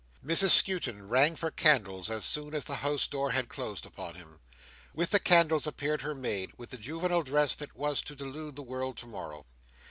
Mrs Skewton rang for candles as soon as the house door had closed upon him. With the candles appeared her maid, with the juvenile dress that was to delude the world to morrow.